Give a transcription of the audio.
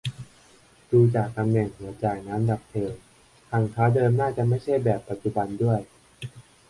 ดูจากตำแหน่งหัวจ่ายน้ำดับเพลิง ทางเท้าเดิมน่าจะไม่ใช่แบบปัจจุบันด้วย